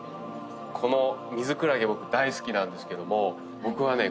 このミズクラゲ僕大好きなんですけども僕はね。